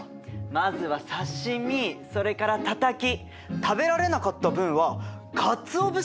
まずは刺身それからたたき食べられなかった分はかつお節なんてどう？